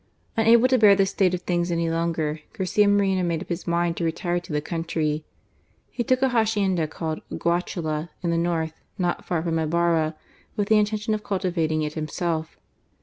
Unable to bear this static of things any longer, Garcia Moreno made up^ h^ mind to retire to the country. He took a ^haciendk called Guachala, in the north, not far from Ibanrst^ with the intention of cultivating it himself.